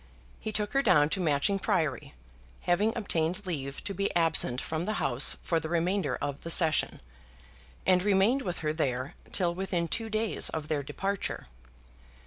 He took her down to Matching Priory, having obtained leave to be absent from the House for the remainder of the Session, and remained with her there till within two days of their departure.